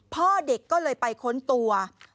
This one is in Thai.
พ่อเด็กก็เลยไปค้นตัว